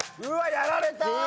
うわっやられた！